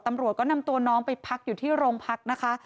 ตำรวจก็นำตัวน้องไปพักอยู่ที่โรงพักนะคะ